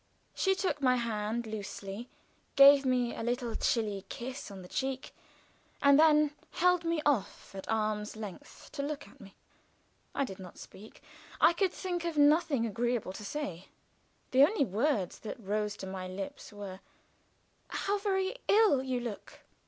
She took my hand loosely, gave me a little chilly kiss on the cheek, and then held me off at arms' length to look at me. I did not speak. I could think of nothing agreeable to say. The only words that rose to my lips were, "How very ill you look!"